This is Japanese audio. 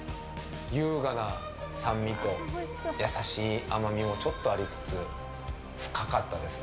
優雅な酸味と優しい甘みもちょっとありつつ深かったですね。